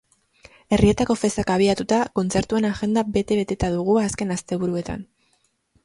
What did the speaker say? Herrietako festak abiatuta, kontzertuen agenda bete-beteta dugu azken asteburuetan.